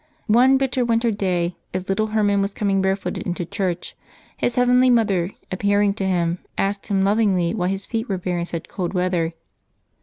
One bitter winter day, as little Herman was coming barefooted into church, his heavenly Mother appearing to him, asked him lovingly why his feet were bare in such cold weather.